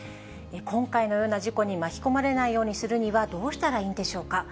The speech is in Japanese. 今回のような事故に巻き込まれないようにするにはどうしたらいいんでしょうか。